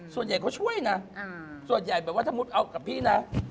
ส่วนใหญ่เขาช่วยน่ะถ้ามสมมติเอากับพี่น่ะ